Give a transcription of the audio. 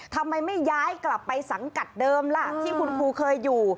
ทำไมไม่ย้ายกลับไปสังกัดเดิมล่ะที่คุณครูเคยอยู่